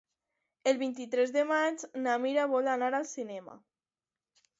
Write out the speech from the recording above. El vint-i-tres de maig na Mira vol anar al cinema.